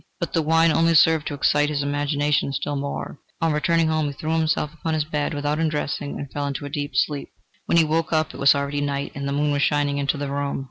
But the wine only served to excite his imagination still more. On returning home, he threw himself upon his bed without undressing, and fell into a deep sleep. When he woke up it was already night, and the moon was shining into the room.